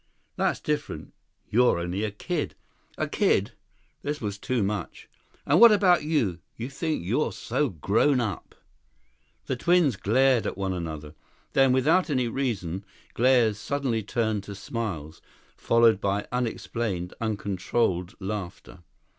"That's different. You're only a kid." "A kid!" This was too much. "And what about you? You think you're so grown up." The twins glared at one another. Then, without any reason, glares suddenly turned to smiles, followed by unexplained, uncontrolled laughter.